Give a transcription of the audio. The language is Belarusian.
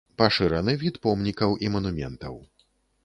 Пашыраны від помнікаў і манументаў.